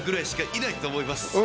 いないと思います。